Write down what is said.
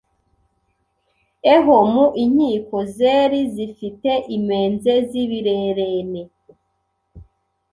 eho mu inkiko zeri zifite imenze z’ibirerene